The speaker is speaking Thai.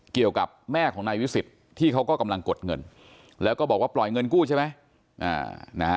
เกี่ยวกับแม่ของนายวิสิทธิ์ที่เขาก็กำลังกดเงินแล้วก็บอกว่าปล่อยเงินกู้ใช่ไหม